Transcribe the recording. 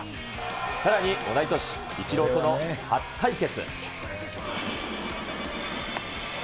さらに同じ年、イチローとの初対決。